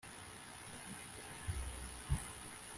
orinfor yagabye amashami yayo